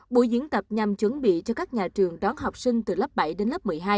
buổi diễn tập nhằm chuẩn bị cho các nhà trường đón học sinh từ lớp bảy đến lớp một mươi hai